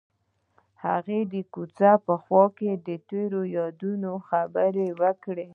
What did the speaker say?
هغوی د کوڅه په خوا کې تیرو یادونو خبرې کړې.